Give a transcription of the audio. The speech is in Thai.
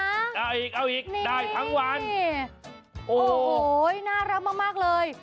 เอ้าอีกรับอีกได้ทั้งวันโอ้โหน่ารักมากเลย